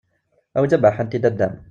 Awi-d tabaḥant i dada-m!